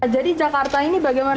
jadi jakarta ini bagaimana